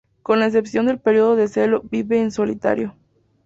Con excepción del período de celo, vive en solitario.